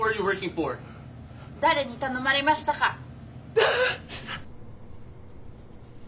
誰に頼まれましたか？